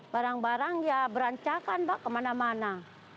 barang barang ya berancakan mbak kemana mana